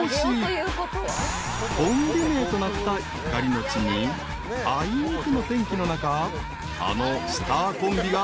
［コンビ名となったゆかりの地にあいにくの天気の中あのスターコンビが凱旋］